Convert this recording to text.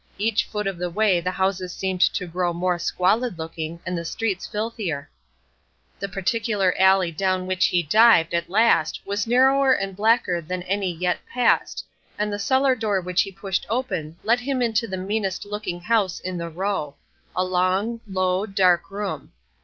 Each foot of the way the houses seemed to grow more squalid looking, and the streets filthier. The particular alley down which he dived at last was narrower and blacker than any yet passed, and the cellar door which he pushed open let him into the meanest looking house in the row, a long, low, dark room.